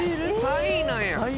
３位なんや。